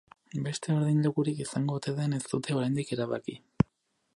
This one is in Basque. Beste ordainlekurik izango ote den ez dute oraindik erabaki.